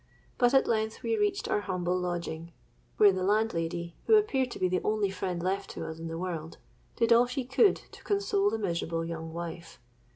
But at length we reached our humble lodging, where the landlady, who appeared to be the only friend left to us in the world, did all she could to console the miserable young wife.